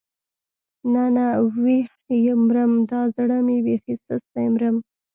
نه نه ويح مرم دا زړه مې بېخي سست دی مرم.